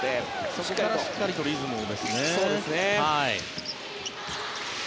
そこからしっかりとリズムを。